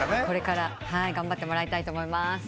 これから頑張ってもらいたいと思います。